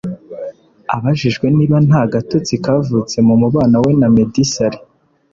Abajijwe niba nta gatotsi kavutse mu mubano we na Meddy Saleh